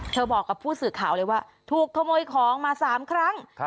บอกกับผู้สื่อข่าวเลยว่าถูกขโมยของมา๓ครั้ง